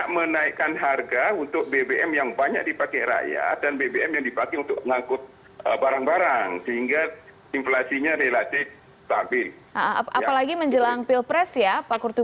kalkulasi ekonomi pilihan tadi itu